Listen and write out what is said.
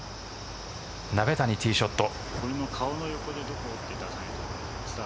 鍋谷ティーショット。